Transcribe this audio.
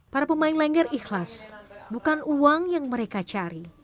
para pemain lengger ikhlas bukan uang yang mereka cari